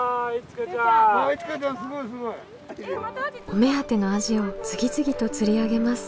お目当てのアジを次々と釣り上げます。